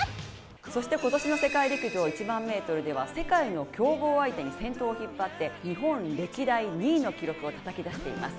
そして今年の世界陸上１００００ｍでは世界の強豪相手に先頭を引っ張って日本歴代２位の記録をたたき出しています。